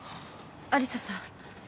有沙さん。